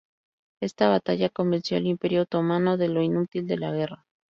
Esta batalla convenció al Imperio otomano de lo inútil de la guerra.